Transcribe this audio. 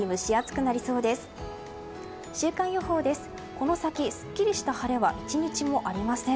この先、すっきりした晴れは１日もありません。